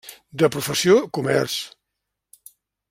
De professió comerç.